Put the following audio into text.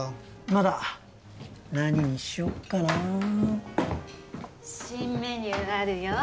まだ何にしよっかなあ新メニューあるよ